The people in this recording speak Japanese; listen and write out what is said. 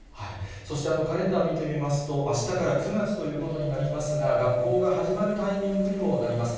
そしてカレンダー見てみますと、あしたから９月ということになりますが、学校が始まるタイミングにもなります。